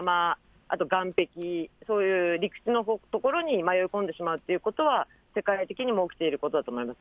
あと岸壁、そういう陸地の所に迷い込んでしまうということは、世界的にも起きていることだと思います。